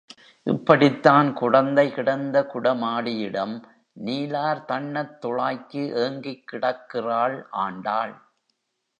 இப்படித்தான் குடந்தை கிடந்த குடமாடியிடம் நீலார் தண்ணத் துளாய்க்கு ஏங்கிக் கிடக்கிறாள் ஆண்டாள்.